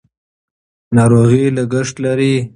ناروغي لګښت لري.